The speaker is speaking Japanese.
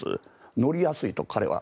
乗りやすいと、彼は。